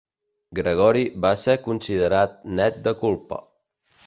Gregori va ser considerat net de culpa.